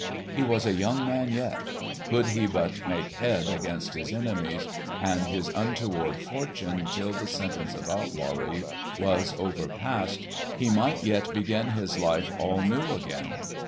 He was a young man yet; could he but make head against his enemies and his untoward fortune till the sentence of outlawry was overpassed, he might yet begin his life all new again.